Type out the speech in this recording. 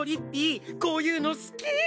ぴいこういうの好き！